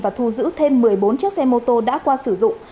và thu giữ thêm một mươi bốn chiếc xe mô tô đã qua sử dụng